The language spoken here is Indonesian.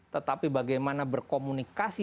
tetapi bagaimana berkomunikasi